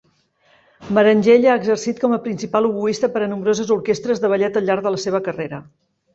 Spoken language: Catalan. Marangella ha exercit com a principal oboista per a nombroses orquestres de ballet al llarg de la seva carrera.